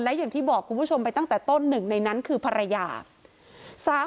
และอย่างที่บอกคุณผู้ชมไปตั้งแต่ต้นหนึ่งในนั้นคือภรรยา